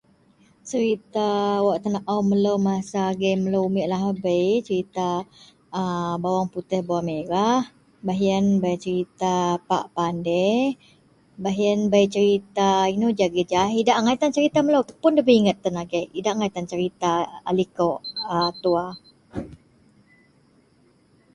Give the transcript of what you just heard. Cerita wak tenaao melou masa melou agei umiek lahabei cerita [a] Bawang Putih Bawang Merah baih yen cerita Pak Pandir baih yen cerita inou ji agei ja idak angai tan cerita melou pun debei inget tan agei. Idak angai tan cerita a likou tua